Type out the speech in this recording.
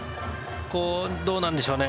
どうなんでしょうね。